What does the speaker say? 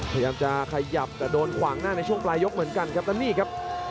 พยายามจะขยับแต่โดนขวางหน้าในช่วงปลายยกเหมือนกันครับแล้วนี่ครับ